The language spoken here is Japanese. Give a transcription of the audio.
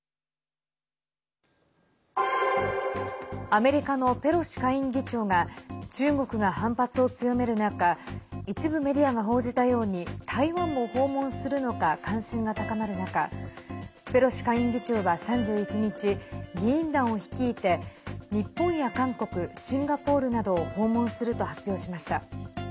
アメリカのペロシ下院議長が中国が反発を強める中一部メディアが報じたように台湾も訪問するのか関心が高まる中ペロシ下院議長は３１日議員団を率いて日本や韓国、シンガポールなどを訪問すると発表しました。